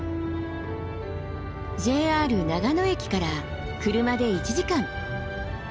ＪＲ長野駅から車で１時間。